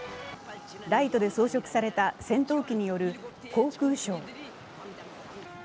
ライトで装飾された戦闘機による航空ショー。